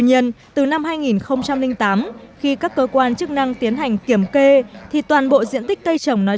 nhiên từ năm hai nghìn tám khi các cơ quan chức năng tiến hành kiểm kê thì toàn bộ diện tích cây trồng nói